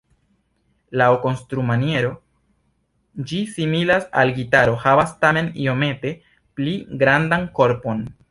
Laŭ konstrumaniero ĝi similas al gitaro, havas tamen iomete pli grandan korpon.